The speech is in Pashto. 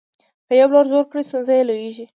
که یو لور زور کړي ستونزه لویېږي.